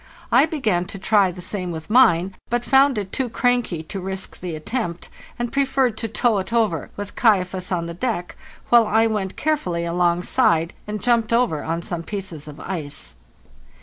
I began to try the same with mine, but found it too cranky to risk the attempt, and preferred to tow it over, with 'Kaifas' on the deck, while I went carefully alongside and jumped over on some pieces of ice.